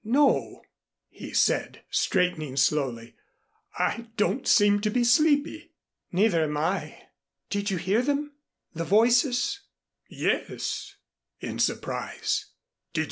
"No," he said, straightening slowly. "I don't seem to be sleepy." "Neither am I. Did you hear them the voices?" "Yes," in surprise.